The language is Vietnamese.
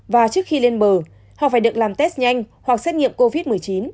và trước khi lên bờ họ phải được làm test nhanh hoặc xét nghiệm covid một mươi chín